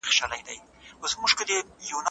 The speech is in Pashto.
استازي ولي د انسان حقونو ته درناوی کوي؟